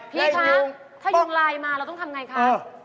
พี่คะถ้ายุงลายมาเราต้องทำอย่างไรคะ